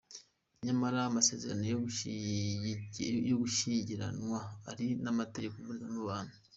Nyamara amasezerano yo gushyingiranwa ari mategeko mbonezamubano.